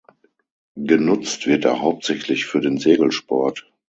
Genutzt wird er hauptsächlich für den Segelsport.